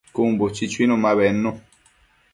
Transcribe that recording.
Cun buchi chuinu ma bednu